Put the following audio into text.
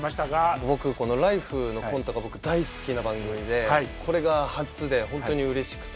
僕この「ＬＩＦＥ！」のコントが僕大好きな番組でこれが初で本当にうれしくて。